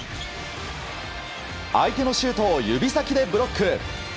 相手のシュートを指先でブロック。